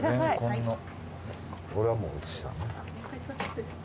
俺はもう映したよね？